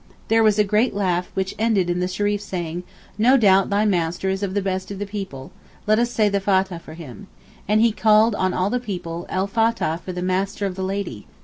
There was a great laugh which ended in the Shereef saying 'no doubt thy master is of the best of the people, let us say the Fathah for him,' and he called on all the people 'El Fathah for the master of the lady!